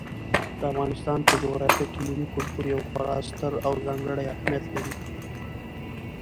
د افغانستان په جغرافیه کې ملي کلتور یو خورا ستر او ځانګړی اهمیت لري.